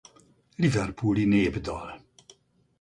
Liverpooli népdal.